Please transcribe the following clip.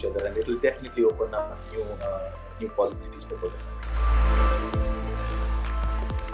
dan itu akan tentu membuka kemungkinan baru untuk program